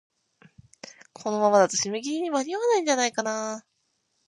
このままだと、締め切りに間に合わないんじゃないかなあ。